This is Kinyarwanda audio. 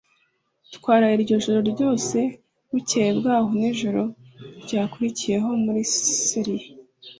Twaraye iryo joro ryose, bukeye bwaho, nijoro ryakurikiyeho muri selire.